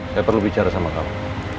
saya perlu bicara sama kami